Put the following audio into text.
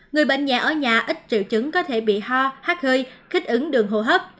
người bệnh nhẹ ở nhà ít triệu chứng có thể bị ho hát hơi kích ứng đường hồ hấp